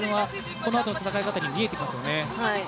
このあとの戦い方に出てきますね。